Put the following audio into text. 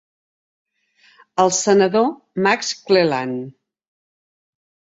El senador Max Cleland.